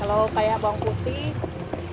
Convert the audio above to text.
kalau kayak bawang putih